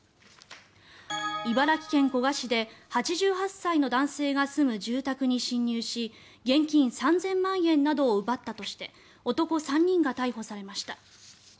茨城県古河市で８８歳の男性が住む住宅に侵入し現金３０００万円などを奪ったとして男３人が逮捕されました。